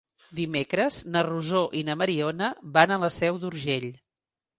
Dimecres na Rosó i na Mariona van a la Seu d'Urgell.